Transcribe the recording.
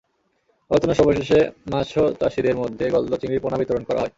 আলোচনা সভা শেষে মাৎস্যচাষিদের মধ্যে গলদা চিংড়ির পোনা বিতরণ করা হয়।